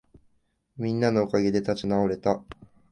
みんなのおかげで立ち直れた